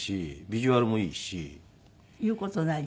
言う事ない？